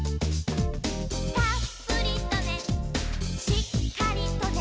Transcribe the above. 「たっぷりとねしっかりとね」